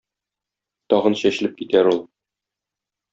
Тагын чәчелеп китәр ул.